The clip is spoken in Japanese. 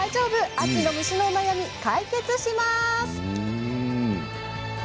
秋の虫のお悩み解決します。